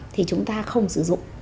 thì chúng ta không sử dụng